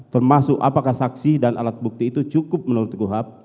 termasuk apakah saksi dan alat bukti itu cukup menurut kuhap